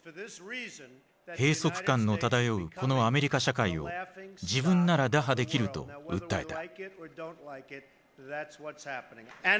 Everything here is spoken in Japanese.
閉塞感の漂うこのアメリカ社会を自分なら打破できると訴えた。